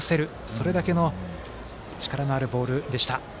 それだけの力のあるボールでした。